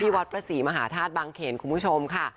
วัดพระศรีมหาธาตุบางเขนคุณผู้ชมค่ะ